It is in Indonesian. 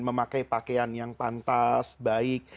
memakai pakaian yang pantas baik